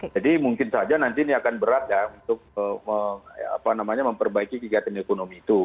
jadi mungkin saja nanti ini akan berat ya untuk memperbaiki kegiatan ekonomi itu